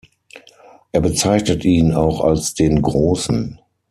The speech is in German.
Er bezeichnet ihn auch als "den Großen".